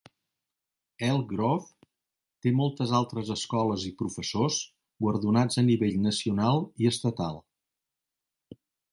Elk Grove té moltes altres escoles i professors guardonats a nivell nacional i estatal.